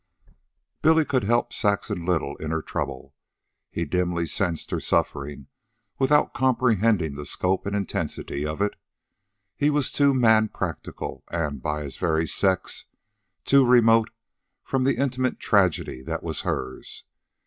Billy could help Saxon little in her trouble. He dimly sensed her suffering, without comprehending the scope and intensity of it. He was too man practical, and, by his very sex, too remote from the intimate tragedy that was hers.